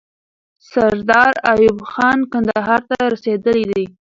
سردار ایوب خان کندهار ته رسیدلی دی.